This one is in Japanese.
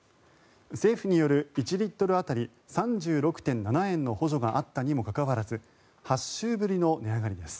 政府による１リットル当たり３６．７円の補助があったにもかかわらず８週ぶりの値上がりです。